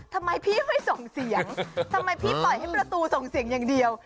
ทำไมพี่ไม่ส่งเสียงทำไมพี่ปล่อยให้ประตูส่งเสียงอย่างเดียว